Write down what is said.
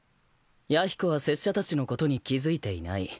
弥彦は拙者たちのことに気付いていない。